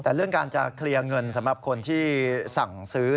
แต่เรื่องการจะเคลียร์เงินสำหรับคนที่สั่งซื้อ